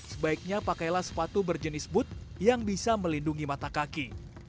sebaiknya pakailah sepatu berjenis booth yang bisa melindungi mata kaki